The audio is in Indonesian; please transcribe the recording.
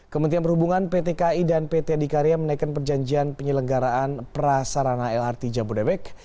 kementerian perhubungan pt ki dan pt adikarya menaikkan perjanjian penyelenggaraan prasarana lrt jabodebek